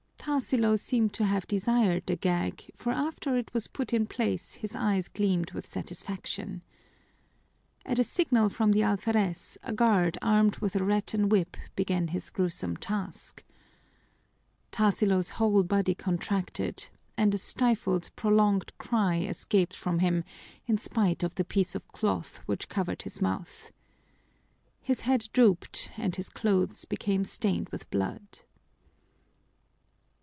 Tarsilo seemed to have desired the gag, for after it was put in place his eyes gleamed with satisfaction. At a signal from the alferez, a guard armed with a rattan whip began his gruesome task. Tarsilo's whole body contracted, and a stifled, prolonged cry escaped from him in spite of the piece of cloth which covered his mouth. His head drooped and his clothes became stained with blood.